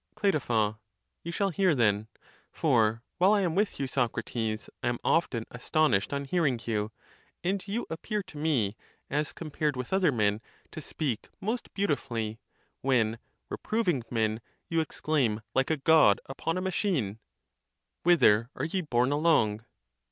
Clit. You shall hear then. [2.7 For while I am with you, Socrates, I am often astonished on hearing you; and you appear to me, as compared with other men, to speak most beautifully, when, reproving men, you exclaim like a god upon a machine 2—" Whither are ye borne along?